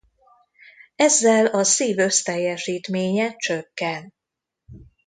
Ezzel a szív összteljesítménye csökken.